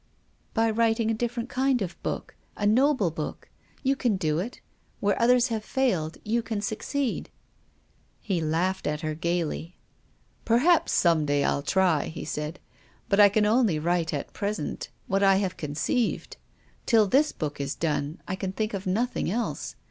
" By writing a different kind of book — a noble book. You can do it. Where others have failed, you can succeed." He laughed at her, gaily. " Perhaps, some day, I'll try," he said. " But I can only write at present what I have con ceived. Till this book is done, I can think of nothing else.